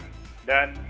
dan melibatkan parah parah